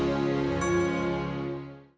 useleisa bisa melihat pertanyaannya